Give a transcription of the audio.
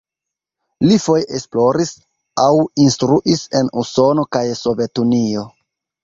Li foje esploris aŭ instruis en Usono kaj Sovetunio.